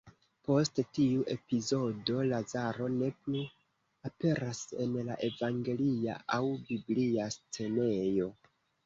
Post tiu epizodo, Lazaro ne plu aperas en la evangelia aŭ biblia scenejo.